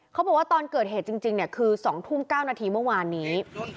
เขาบอกว่าตอนเกิดเหตุจริงจริงเนี่ยคือสองทุ่มเก้านาทีเมื่อวานนี้